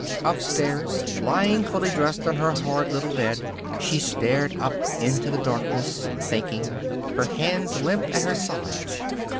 Upstairs, lying fully dressed on her hard little bed, she stared up into the darkness, thinking, her hands limp at her sides.